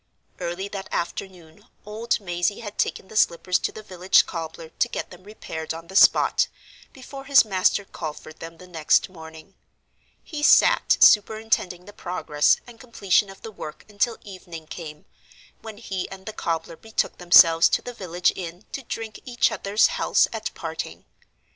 Early that afternoon old Mazey had taken the slippers to the village cobbler to get them repaired on the spot, before his master called for them the next morning; he sat superintending the progress and completion of the work until evening came, when he and the cobbler betook themselves to the village inn to drink each other's healths at parting.